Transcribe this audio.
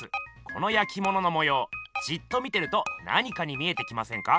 このやきもののもようじっと見てると何かに見えてきませんか？